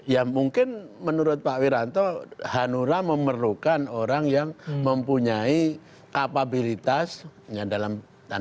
ya mungkin menurut pak wiranto hanura memerlukan orang yang mempunyai kapabilitas ya dalam tanda awal yang memiliki kemampuan